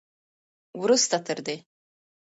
وروسته تر دې